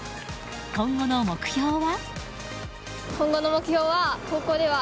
今後の目標は。